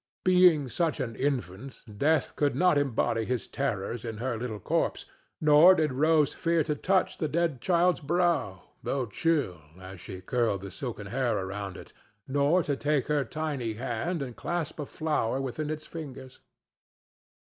Being such an infant, Death could not embody his terrors in her little corpse; nor did Rose fear to touch the dead child's brow, though chill, as she curled the silken hair around it, nor to take her tiny hand and clasp a flower within its fingers.